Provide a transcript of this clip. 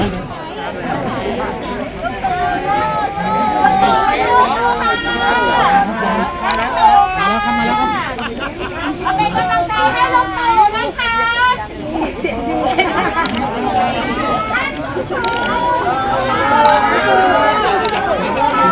ขอบคุณมากขอบคุณค่ะ